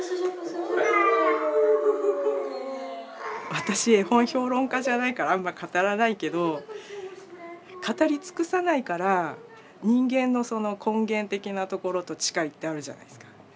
私絵本評論家じゃないからあんま語らないけど語り尽くさないから人間のその根源的なところと近いってあるじゃないですか。